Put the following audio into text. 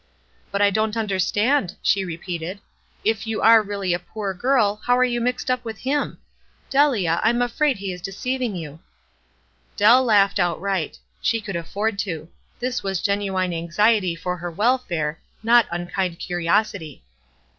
"But I don't understand," she repeated. "If you are really a poor girl how arc you mixed up with him? Delia, I am afraid he is deceiving you." WISE AND OTHERWISE. 359 Dell laughed outright. She could afford to. This was genuine anxiety for her welfare, not unkind curiosity.